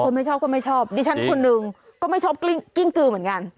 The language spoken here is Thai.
ไม่ชอบก็ไม่ชอบดิฉันคนหนึ่งก็ไม่ชอบกิ้งกือเหมือนกัน